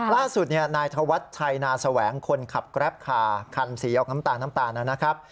ล่าสุดนายธวัชชัยนาแสวงคนขับแกรปคาคันสีออกน้ำตาลน้ำตาลนะครับ